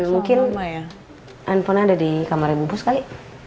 mungkin handphone ada di kamar ibu bu sekali